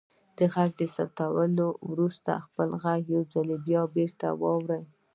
د غږ ثبتولو وروسته خپل غږ یو ځل بیرته واورئ.